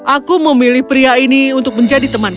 aku memilih pria ini untuk menjadi teman